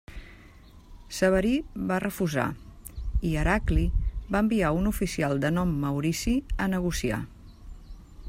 Severí va refusar, i Heracli va enviar un oficial de nom Maurici a negociar.